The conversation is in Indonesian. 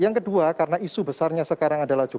yang kedua karena isu besarnya sekarang adalah jokowi